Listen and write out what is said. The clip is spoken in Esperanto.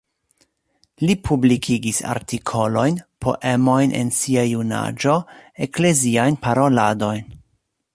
Li publikis artikolojn, poemojn en sia junaĝo, ekleziajn paroladojn.